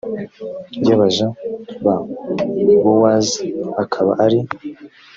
y abaja ba bowazi akaba ari